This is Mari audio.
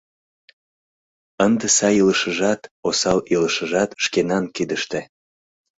Ынде сай илышыжат, осал илышыжат — шкенан кидыште.